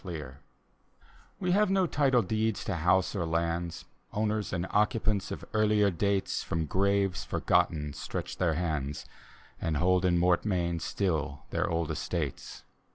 D,gt,, erihyGOOgle Haunted Houses 121 We have no title deeds to house or lands; Owners and occupants of earlier dates From graves forgotten stretch their hands, And hold in mortmain still their old estates.